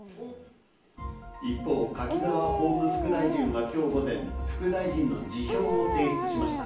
一方、柿沢法務副大臣はきょう午前、副大臣の辞表を提出しました。